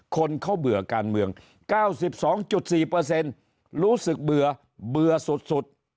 คนเขาเบื่อการเมือง๙๒๔รู้สึกเบื่อสุด